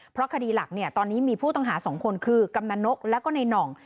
เพราะคดีหลักเนี่ยตอนนี้มีผู้ต้องหา๒คนคือกำนันนกแล้วก็ในหน่อง